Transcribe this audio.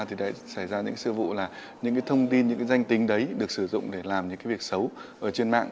thì đã xảy ra những sự vụ là những thông tin những danh tính đấy được sử dụng để làm những việc xấu trên mạng